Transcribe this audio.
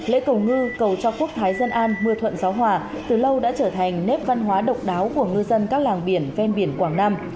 lễ cầu ngư cầu cho quốc thái dân an mưa thuận gió hòa từ lâu đã trở thành nét văn hóa độc đáo của ngư dân các làng biển ven biển quảng nam